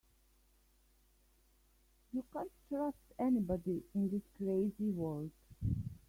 You can't trust anybody in this crazy world.